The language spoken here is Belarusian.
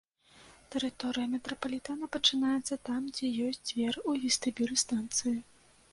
Тэрыторыя метрапалітэна пачынаецца там, дзе ёсць дзверы ў вестыбюль станцыі.